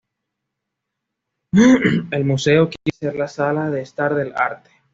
El museo quiere ser La Sala de Estar del Arte.